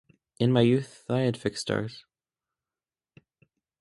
In my youth I had fixed stars.